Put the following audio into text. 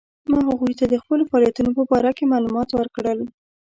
ما هغوی ته د خپلو فعالیتونو په باره کې معلومات ورکړل.